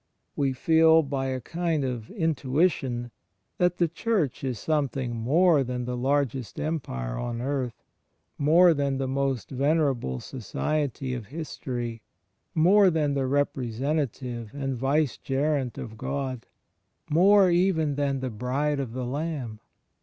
We feel, by a kind of intuition, that the Church is something more than the largest empire on earth — more than the most venerable Society of history; more than the Representative and Vice gerent of God; more even than the "Bride of the Lamb."